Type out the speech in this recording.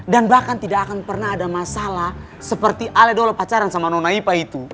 dan bahkan tidak akan pernah ada masalah seperti ale dulu pacaran sama noh naipa itu